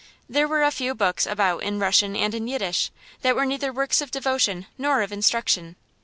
There were a few books about in Russian and in Yiddish, that were neither works of devotion nor of instruction.